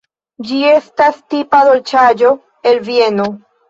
Ĝi estas tipa dolĉaĵo el Vieno.